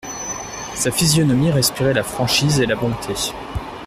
Sa physionomie respirait la franchise et la bonté.